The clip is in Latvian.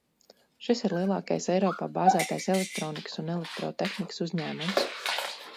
Šis ir lielākais Eiropā bāzētais elektronikas un elektrotehnikas uzņēmums.